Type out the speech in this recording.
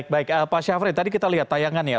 baik pak syafri tadi kita lihat tayangan ya